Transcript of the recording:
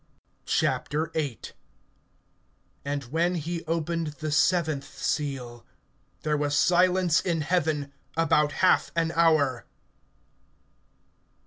VIII. AND when he opened the seventh seal, there was silence in heaven about half an hour.